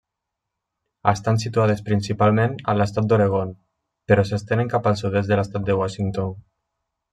Estan situades principalment a l'estat d'Oregon però s'estenen cap al sud-est de l'Estat de Washington.